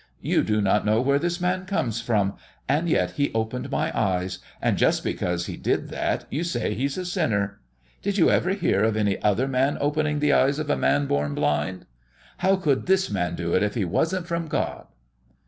You do not know where this Man comes from, and yet He opened my eyes, and just because He did that you say He's a sinner. Did you ever hear of any other man opening the eyes of a man born blind? How could this Man do it if He wasn't from God?"